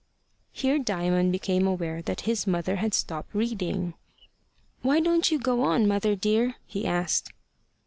Here Diamond became aware that his mother had stopped reading. "Why don't you go on, mother dear?" he asked.